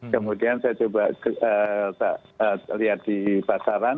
kemudian saya coba lihat di pasaran